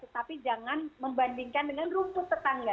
tetapi jangan membandingkan dengan rumput tetangga